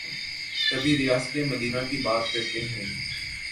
کبھی ریاست مدینہ کی بات کرتے ہیں۔